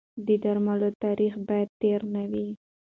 د درملو تاریخ باید تېر نه وي.